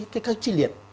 cái cái chi liệt